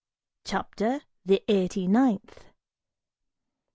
CHAPTER THE EIGHTY NINTH.